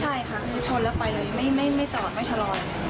ใช่ค่ะคือชนแล้วไปเลยไม่จอดไม่ชะลอ